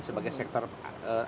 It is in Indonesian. sebagai sektor rakyat